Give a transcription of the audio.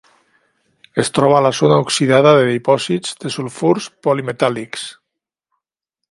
Es troba a la zona oxidada de dipòsits de sulfurs polimetàl·lics.